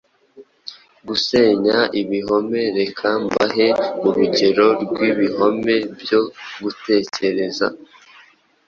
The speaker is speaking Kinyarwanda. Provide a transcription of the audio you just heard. Gusenya ibihome Reka mbahe urugero rw ibihome byo gutekereza